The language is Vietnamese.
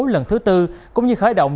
lần thứ tư cũng như khởi động